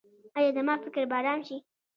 ایا زما فکر به ارام شي؟